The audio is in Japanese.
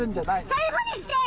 そういうふうにして！